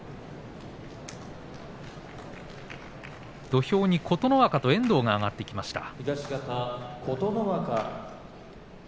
土俵に琴ノ若と遠藤が上がってきました。